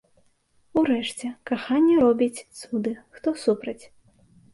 Урэшце, каханне робіць цуды, хто супраць?